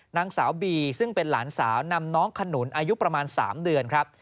นางสาวบีซึ่งเป็นหลานสาวนำน้องขนุนอายุประมาณ๓เดือนครับ